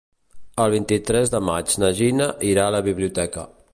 El vint-i-tres de maig na Gina irà a la biblioteca.